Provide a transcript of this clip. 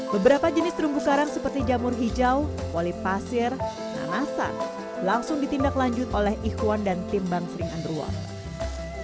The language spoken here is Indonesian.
beberapa jenis terumbu karang seperti jamur hijau polip pasir nanasan langsung ditindak lanjut oleh ikhwan dan tim bangsering underung